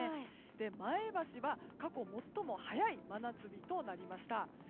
前橋は過去最も早い真夏日となりました。